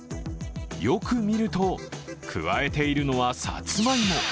よく見るとくわえているのは、さつまいも。